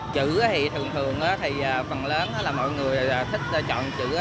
chữ thì thường thường thì phần lớn là mọi người thích chọn chữ